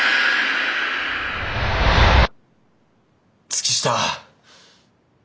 月下！